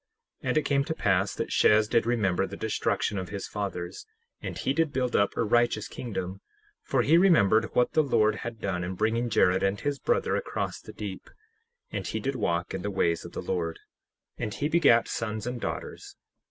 10:2 And it came to pass that Shez did remember the destruction of his fathers, and he did build up a righteous kingdom; for he remembered what the Lord had done in bringing Jared and his brother across the deep; and he did walk in the ways of the Lord; and he begat sons and daughters.